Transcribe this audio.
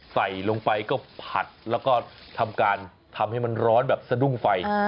ใส่ลงไปก็ผัดแล้วก็ทำการทำให้มันร้อนแบบสะดุ้งไฟ